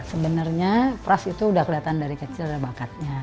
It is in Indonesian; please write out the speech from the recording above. sebenarnya pras itu udah kelihatan dari kecil ada bakatnya